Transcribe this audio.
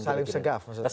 salim segaf maksudnya